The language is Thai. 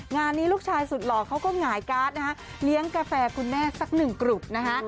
งานนี้ลูกชายสุดหล่อเขาก็หงายการ์ดนะฮะเลี้ยงกาแฟคุณแม่สักหนึ่งกลุ่มนะฮะ